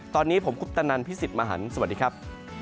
ตอนนี้ผมคุปตะนันพี่สิทธิ์มหันฯสวัสดีครับ